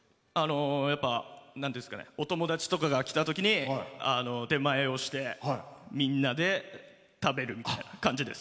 やっぱ、お友達とかが来たときに出前をしてみんなで食べるみたいな感じです。